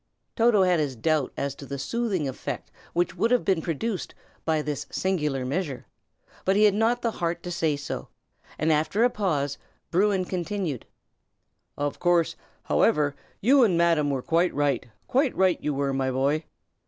Toto had his doubts as to the soothing effect which would have been produced by this singular measure, but he had not the heart to say so; and after a pause, Bruin continued: "Of course, however, you and Madam were quite right, quite right you were, my boy.